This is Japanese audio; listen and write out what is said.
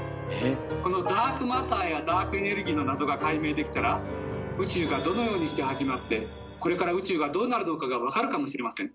このダークマターやダークエネルギーの謎が解明できたら宇宙がどのようにして始まってこれから宇宙がどうなるのかが分かるかもしれません。